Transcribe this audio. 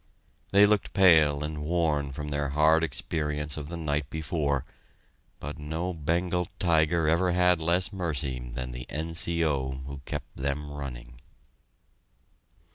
They looked pale and worn from their hard experience of the night before, but no Bengal tiger ever had less mercy than the N.C.O., who kept them running.